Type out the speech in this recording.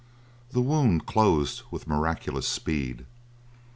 The wound closed with miraculous speed.